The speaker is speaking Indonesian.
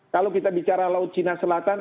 kalau kita bicara laut cina selatan